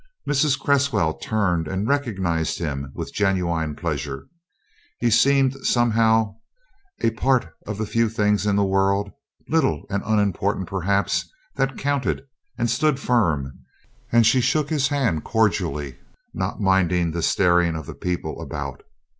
Mrs. Cresswell turned and recognized him with genuine pleasure. He seemed somehow a part of the few things in the world little and unimportant perhaps that counted and stood firm, and she shook his hand cordially, not minding the staring of the people about.